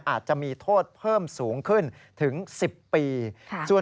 และอาจจะมีบางรายเข้าขายช่อกงประชาชนเพิ่มมาด้วย